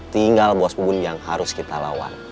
tinggal bos pun yang harus kita lawan